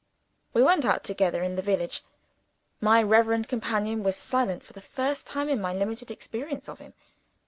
We went out together into the village. My reverend companion was silent for the first time in my limited experience of him.